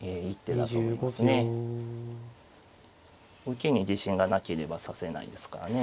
受けに自信がなければ指せないですからね。